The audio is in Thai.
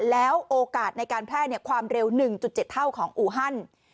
แล้วโอกาสในการแพร่ความเร็ว๑๗เท่าของอูฮัน